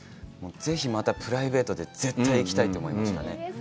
ぜひまたプライベートで絶対行きたいと思いましたね。